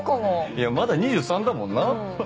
いやまだ２３だもんな。